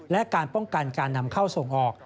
และการป้องกันการนำเข้าส่งออก